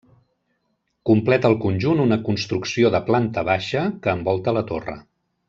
Completa el conjunt una construcció de planta baixa que envolta la torre.